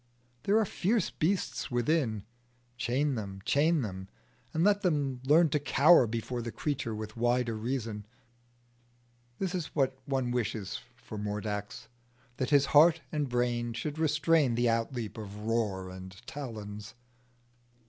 There are fierce beasts within: chain them, chain them, and let them learn to cower before the creature with wider reason. This is what one wishes for Mordax that his heart and brain should restrain the outleap of roar and talons.